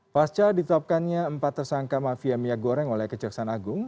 pasca ditetapkannya empat tersangka mafia minyak goreng oleh kejaksaan agung